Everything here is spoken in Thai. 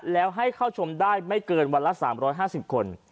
แล้วให้เข้าชมได้ไม่เกินวันละ๓๕๐คน